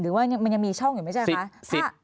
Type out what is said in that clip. หรือว่ามันยังมีช่องอยู่ไหมใช่ไหมคะ